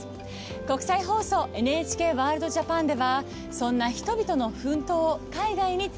国際放送ＮＨＫＷＯＲＬＤ−ＪＡＰＡＮではそんな人々の奮闘を海外に伝えてきました。